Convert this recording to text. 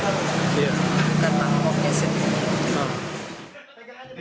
dan ahoknya sendiri